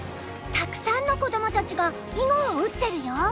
たくさんのこどもたちが囲碁を打ってるよ。